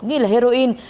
nghi là heroin